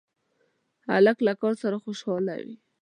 هلک له کار سره خوشحاله وي.